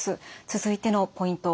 続いてのポイント